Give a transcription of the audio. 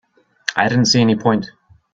I didn't see any point.